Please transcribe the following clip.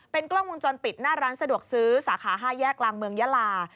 กล้องวงจรปิดหน้าร้านสะดวกซื้อสาขา๕แยกกลางเมืองยาลา